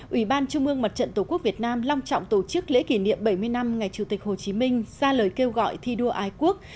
ủy ban trung mương mặt trận tổ quốc việt nam long trọng tổ chức lễ kỷ niệm bảy mươi năm ngày chủ tịch hồ chí minh ra lời kêu gọi thi đua ái quốc